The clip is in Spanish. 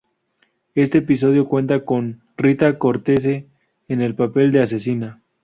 Este episodio cuenta con Rita Cortese, en el papel de asesina.